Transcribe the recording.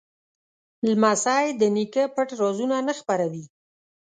لمسی د نیکه پټ رازونه نه خپروي.